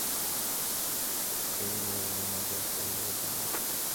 • کرۍ ورځ یې مزل کړی وو دمه سو -